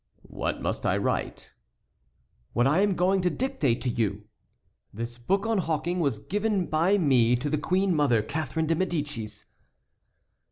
"What must I write?" "What I am going to dictate to you: "'This book on hawking was given by me to the queen mother, Catharine de Médicis.'"